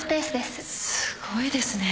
すごいですね。